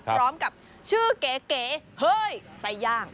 พร้อมกับชื่อเก๋เฮ้ยไส้ย่าง